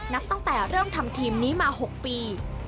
นับตั้งแต่เริ่มทำทีมนี้มา๖ปี